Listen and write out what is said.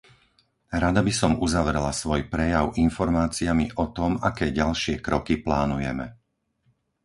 Rada by som uzavrela svoj prejav informáciami o tom, aké ďalšie kroky plánujeme.